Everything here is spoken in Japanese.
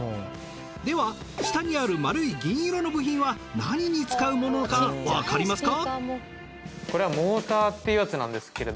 では下にある丸い銀色の部品は何に使うものかわかりますか？